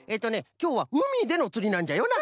きょうはうみでのつりなんじゃよな？